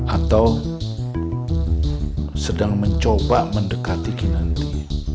atau sedang mencoba mendekati kinanti